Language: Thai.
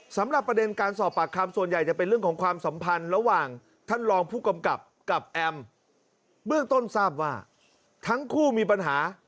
สำหรับประเด็นการสอบปากคลามส่วนใหญ่